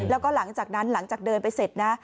แล้วก็หลังจากนั้นหลังจากเดินไปเสร็จนะ